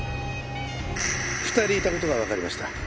２人いた事がわかりました。